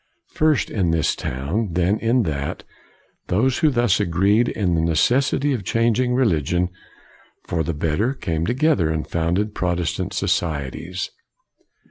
First in this town, then in that, those who thus agreed in the neces sity of changing religion for the better came together and founded Protestant societies.